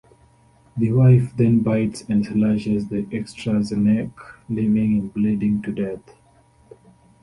The wife then bites and slashes the extra's neck, leaving him bleeding to death.